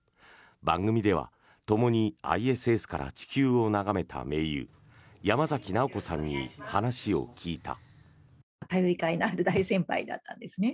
番組ではともにＩＳＳから地球を眺めた盟友山崎直子さんに話を聞いた。